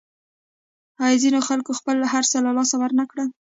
آیا ځینو خلکو خپل هرڅه له لاسه ورنکړل؟